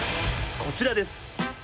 こちらです！